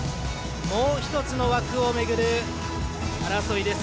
もう１つの枠を巡る争いです。